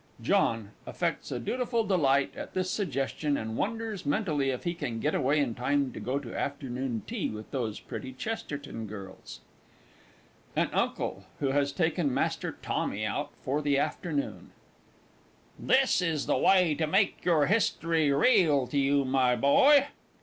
[JOHN _affects a dutiful delight at this suggestion, and wonders mentally if he can get away in time to go to afternoon tea with those pretty Chesterton Girls_. AN UNCLE (who has taken MASTER TOMMY out for the afternoon). This is the way to make your English History real to you, my boy!